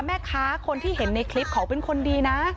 แม่ค้าคนที่เห็นในคลิปเขาเป็นคนดีนะ